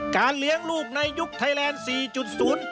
การเลี้ยงลูกในยุคไทยแลนด์๔๐